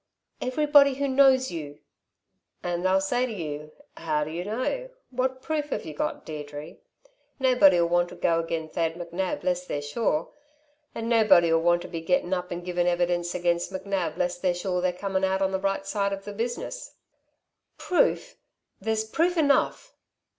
"Everybody who knows you." "And they'll say to you: 'How do y' know?' 'What proof have you got, Deirdre?' Nobody'll want to go agen Thad McNab lest they're sure and nobody'll want to be gettin' up and givin' evidence against McNab lest they're sure they're comin' out on the right side of the business." "Proof? there's proof enough!"